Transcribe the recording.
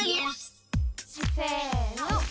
せの。